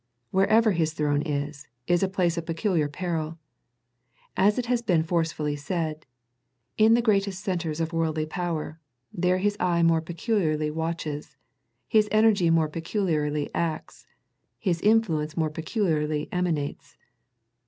Wherever his throne is, is a place of peculiar peril. As it has been force fully said, " In the greatest centres of worldly power, there his eye more peculiarly watches, his energy more peculiarly acts, his influence more peculiarly emanates."